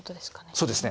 そうですね。